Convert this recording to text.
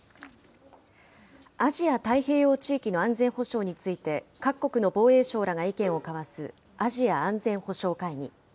アジア・太平洋地域の安全保障について、各国の防衛相らが意見を交わすアジア安全保障会議。